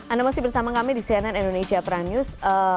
anda masih bersama kami di cnn indonesia prime news